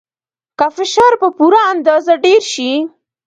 که فشار په پوره اندازه ډیر شي.